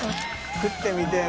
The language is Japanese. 食ってみてぇな。